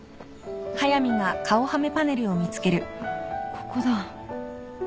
ここだ。